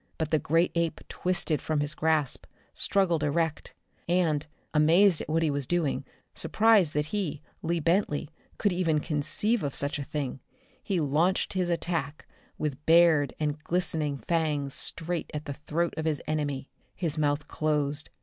But the great ape twisted from his grasp, struggled erect. And, amazed at what he was doing, surprised that he, Lee Bentley, could even conceive of such a thing, he launched his attack with bared and glistening fangs straight at the throat of his enemy. His mouth closed.